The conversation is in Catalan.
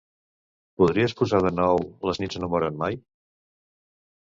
Podries posar de nou "Les nits no moren mai"?